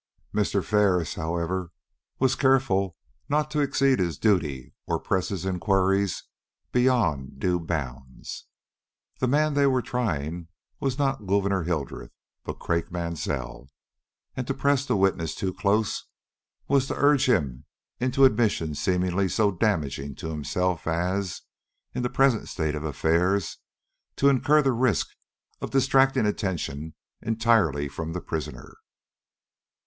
Mr. Ferris, however, was careful not to exceed his duty or press his inquiries beyond due bounds. The man they were trying was not Gouverneur Hildreth but Craik Mansell, and to press the witness too close, was to urge him into admissions seemingly so damaging to himself as, in the present state of affairs, to incur the risk of distracting attention entirely from the prisoner.